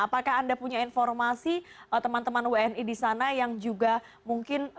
apakah anda punya informasi teman teman wni di sana yang juga mungkin